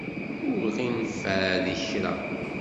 Ur ɣ-ineffeɛ di kra.